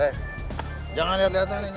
eh jangan lihat lihat hari ini